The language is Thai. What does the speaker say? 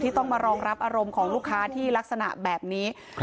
ต้องมารองรับอารมณ์ของลูกค้าที่ลักษณะแบบนี้